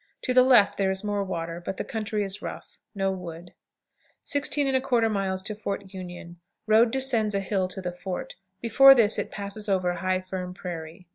To the left there is more water, but the country is rough. No wood. 16 1/4. Fort Union. Road descends a hill to the fort; before this it passes over high, firm prairie.